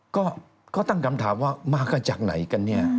ก็ตั้งคำถามว่ามากันจากไหนกันเนี่ย